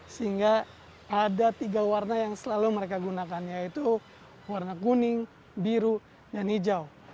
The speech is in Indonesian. sehingga ada tiga warna yang selalu mereka gunakan yaitu warna kuning biru dan hijau